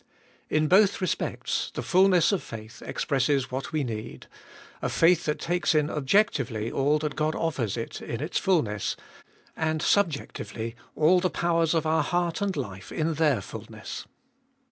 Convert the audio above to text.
In both respects the fulness of faith expresses what we need, — a faith that takes in objectively all that God offers it in its fulness, and subjectively all the powers of our heart and life in their fulness.